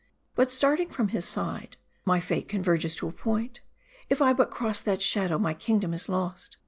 But starting from his side :" My fate converges to a point. If I but cross that shadow, my kingdom is lost.